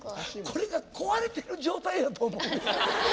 これが壊れてる状態やと思うよ。